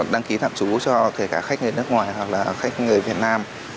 đăng ký thạm chú cho khách người nước ngoài hoặc là khách người việt nam